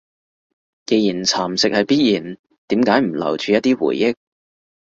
既然蠶蝕係必然，點解唔留住一啲回憶？